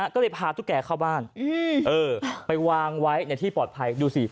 ก็เลยพาตุ๊กแกเข้าบ้านไปวางไว้ในที่ปลอดภัยดูสิ